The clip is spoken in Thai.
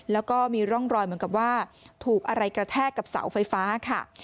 แล้วก็มีร่องรอยเหมือนกับว่าถูกอะไรกระแทกกับเสาไฟฟ้าค่ะ